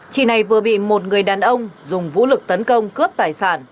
chị này vừa bị một người đàn ông dùng vũ lực tấn công cướp tài sản